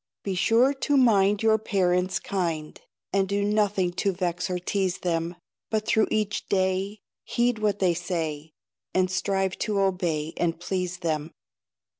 Be sure to mind Your parents kind, And do nothing to vex or tease them; But through each day Heed what they say, And strive to obey and please them.